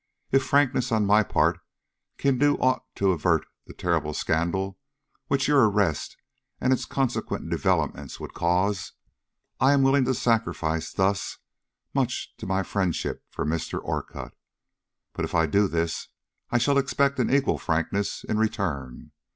If frankness on my part can do aught to avert the terrible scandal which your arrest and its consequent developments would cause, I am willing to sacrifice thus much to my friendship for Mr. Orcutt. But if I do this, I shall expect an equal frankness in return.